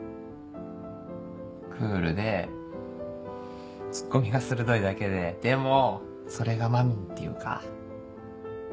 クールでツッコミが鋭いだけででもそれがまみんっていうか。